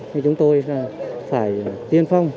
như chúng tôi phải tiên phong